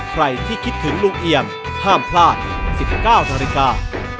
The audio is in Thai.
ใครที่คิดถึงลุงเอี่ยมห้ามพลาด๑๙นาฬิกา